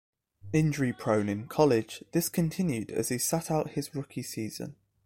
Injury-prone in college, this continued as he sat out his rookie season.